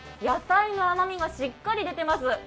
野菜の甘みがしっかり出ています。